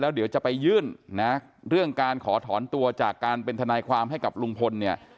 เดี๋ยวจะไปยื่นนะเรื่องการขอถอนตัวจากการเป็นทนายความให้กับลุงพลเนี่ย